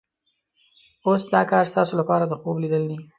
اوس دا کار ستاسو لپاره د خوب لیدل دي.